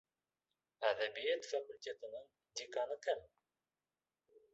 Әҙәбиәт факультетының деканы кем?